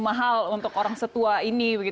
mahal untuk orang setua ini